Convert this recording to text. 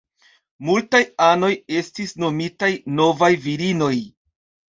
Multaj anoj estis nomitaj "Novaj Virinoj".